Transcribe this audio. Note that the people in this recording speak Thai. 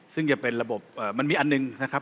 ซึ่งจะเป็นระบบมันมีอันหนึ่งนะครับ